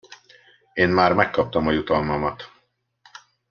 Én már megkaptam a jutalmamat!